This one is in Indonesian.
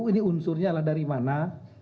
ini unsurnya adalah dari mana